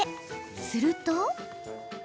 すると。